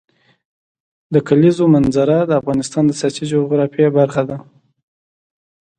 د کلیزو منظره د افغانستان د سیاسي جغرافیه برخه ده.